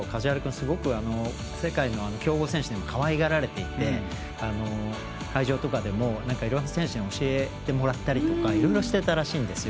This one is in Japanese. すごく世界の強豪選手にもかわいがられていて会場とかでも、いろいろ選手に教えてもらったりとかいろいろしてたらしいんですよ。